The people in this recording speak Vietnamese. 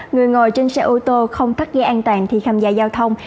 người ngồi trên xe ô tô không tắt ghế an toàn khi kham gia giao thông